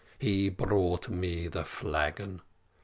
He brought me the flagon.